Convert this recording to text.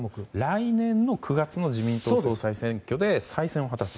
来年の９月の自民党総裁選挙で再選を果たすと。